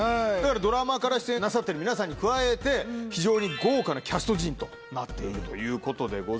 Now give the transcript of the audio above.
ドラマから出演なさってる皆さんに加えて非常に豪華なキャスト陣となっているということでございまして。